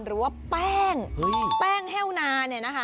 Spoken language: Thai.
หรือว่าแป้งแห้วนา